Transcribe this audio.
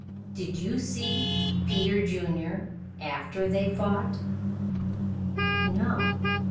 "Did you see Peter Junior after they fought?" "No.